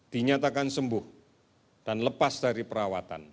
dinyatakan sembuh dan lepas dari perawatan